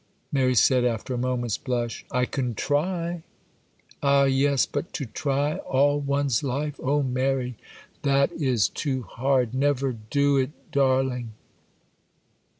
Mary said, after a moment's blush,— 'I can try!' 'Ah, yes! But to try all one's life,—oh, Mary, that is too hard! Never do it, darling!